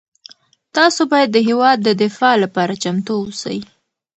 تاسو باید د هېواد د دفاع لپاره چمتو اوسئ.